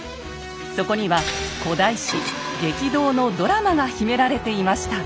そこには古代史激動のドラマが秘められていました。